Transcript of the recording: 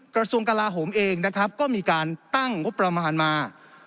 กระทรวงกลาโหมเองนะครับก็มีการตั้งงบประมาณมา